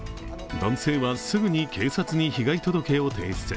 男性は、すぐに警察に被害届を提出。